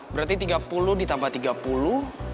berarti tiga puluh ditambah tiga puluh